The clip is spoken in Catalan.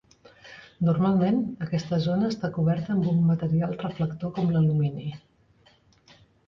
Normalment, aquesta zona està coberta amb un material reflector com l'alumini.